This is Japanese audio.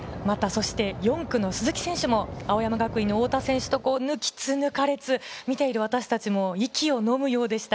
４区の鈴木選手も青山学院の太田選手と抜きつ抜かれつ、私たちも息をのむようでした。